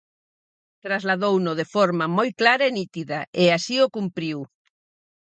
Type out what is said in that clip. Trasladouno de forma moi clara e nítida, e así o cumpriu.